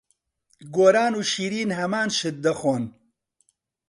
گۆران و شیرین هەمان شت دەخۆن.